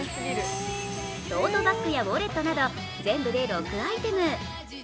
トートバッグやウォレットなど、全部で６アイテム。